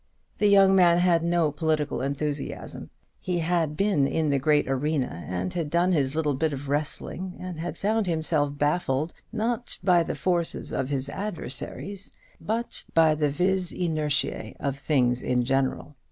The young man had no political enthusiasm. He had been in the great arena, and had done his little bit of wrestling, and had found himself baffled, not by the force of his adversaries, but by the vis inerticæ of things in general.